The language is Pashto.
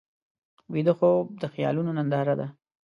ویده خوب د خیالونو ننداره ده